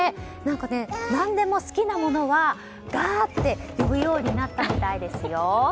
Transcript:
何かね、何でも好きなものはガーって呼ぶようになったみたいですよ。